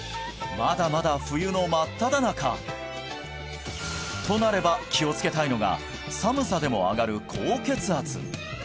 まだまだ冬の真っただ中となれば気をつけたいのが寒さでも上がる高血圧